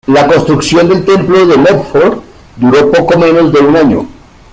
La construcción del templo de Medford duró poco menos de un año.